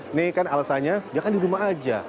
ini kan alasannya jangan di rumah aja